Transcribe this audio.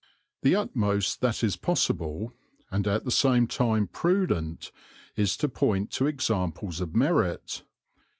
The utmost that is possible, and at the same time prudent, is to point to examples of merit.